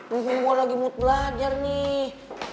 mungkin gue lagi mood belajar nih